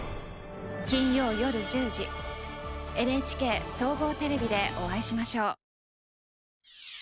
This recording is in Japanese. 金曜夜１０時ＮＨＫ総合テレビでお会いしましょう。